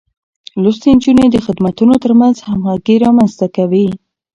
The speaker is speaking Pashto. لوستې نجونې د خدمتونو ترمنځ همغږي رامنځته کوي.